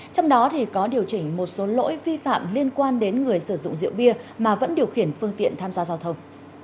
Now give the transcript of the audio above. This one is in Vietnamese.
trong đó có điều chỉnh một số lỗi vi phạm liên quan đến người sử dụng rượu bia mà vẫn điều khiển phương tiện tham gia giao thông